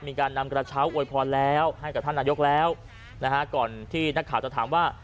มีการนำกระเช้าอวยพรแล้วให้กับท่านนายกแล้วนะฮะก่อนที่นักข่าวจะถามว่า